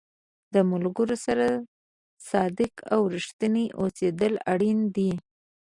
د ملګرو سره صادق او رښتینی اوسېدل اړین دي.